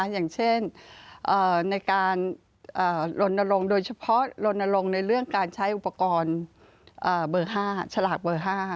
อย่างเช่นโดยเฉพาะลนลงในเรื่องการใช้อุปกรณ์เฉลาะเบอร์๕